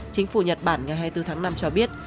chính phủ nhật bản ngày hai mươi bốn tháng năm cho biết